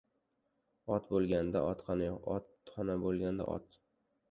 • Ot bo‘lganda otxona yo‘q, otxona bo‘lganda ― ot.